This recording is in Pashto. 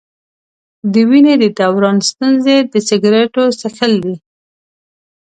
د وینې د دوران ستونزې د سګرټو څښل دي.